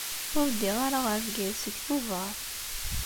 Ur ddiɣ ara ɣer Bgayet seg Tubeṛ.